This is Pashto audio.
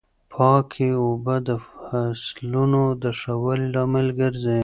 پاکې اوبه د فصلونو د ښه والي لامل ګرځي.